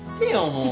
もう。